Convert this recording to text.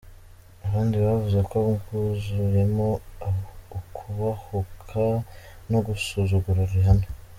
Abandi bavuze ko bwuzuyemo ukubahuka no gusuzugura Rihanna.